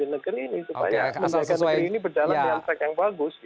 supaya menjaga negeri ini berdalam yang baik yang bagus